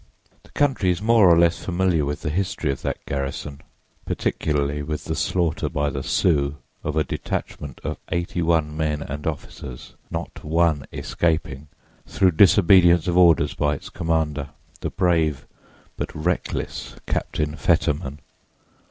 The country is more or less familiar with the history of that garrison, particularly with the slaughter by the Sioux of a detachment of eighty one men and officers—not one escaping—through disobedience of orders by its commander, the brave but reckless Captain Fetterman.